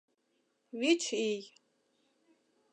Вич ий...